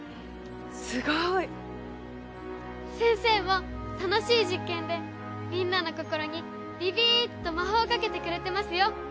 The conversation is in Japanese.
すごい！先生も楽しい実験でみんなの心にビビーッと魔法をかけてくれてますよ。